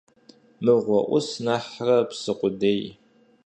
Мыгъуэ Ӏус нэхърэ псы къудей.